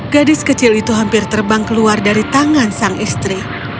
gadis kecil itu hampir terbang keluar dari tangan sang istri